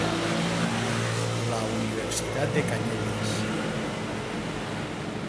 La universitat de Canyelles.